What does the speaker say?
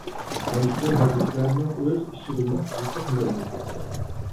مەزكۇر ھەدىسلەرنىڭ ئۆز ئىچىدىمۇ زىتلىق مەۋجۇت.